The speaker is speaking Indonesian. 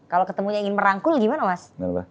kalau ketemunya ingin merangkul gimana mas